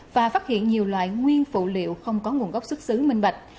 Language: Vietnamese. và phát hiện nhiều loại nguyên phụ liệu không có nguồn gốc xuất xứ minh bạch